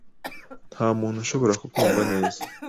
Ntamuntu ushobora kukumva neza